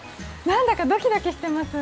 なんだかドキドキしてます。